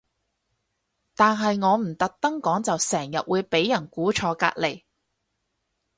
但係我唔特登講就成日會俾人估錯隔離